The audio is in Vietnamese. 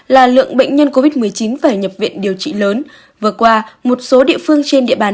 là lượng bệnh nhân covid một mươi chín phải nhập viện điều trị lớn vừa qua một số địa phương trên địa bàn